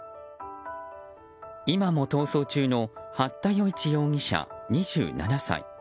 今も逃走中の八田与一容疑者、２７歳。